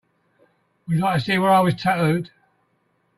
Would you like to see where I was tattooed?